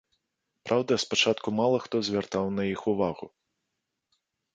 Праўда, спачатку мала хто звяртаў на іх увагу.